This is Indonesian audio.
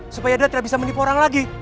supaya dia tidak bisa menipu orang lagi